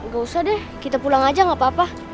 gak usah deh kita pulang aja gak apa apa